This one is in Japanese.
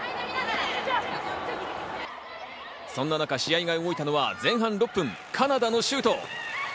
そんな中、試合が動いたのは前半６分、カナダのシュート。